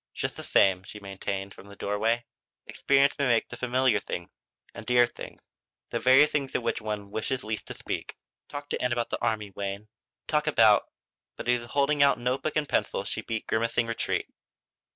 "Just the same," she maintained, from the doorway, "experience may make the familiar things and dear things the very things of which one wishes least to speak. Talk to Ann about the army, Wayne; talk about " But as he was holding out note book and pencil she beat grimacing retreat.